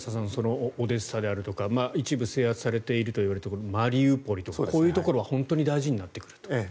オデッサであるとか一部制圧されているといわれるマリウポリとかこういうところは本当に大事になってくると。